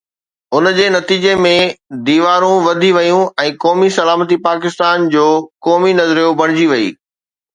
ان جي نتيجي ۾ ديوارون وڌي ويون ۽ قومي سلامتي پاڪستان جو قومي نظريو بڻجي وئي.